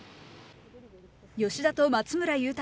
吉田と松村雄太